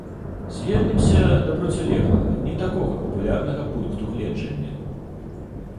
Звернемся да процілеглага, не такога папулярнага пункту гледжання.